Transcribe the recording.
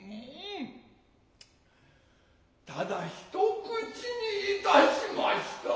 ただひと口にいたしました。